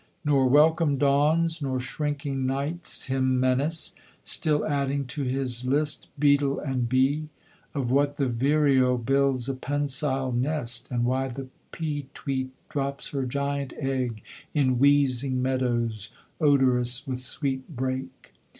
Nor welcome dawns nor shrinking nights him menace, Still adding to his list beetle and bee, Of what the vireo builds a pensile nest, And why the peetweet drops her giant egg In wheezing meadows, odorous with sweet brake.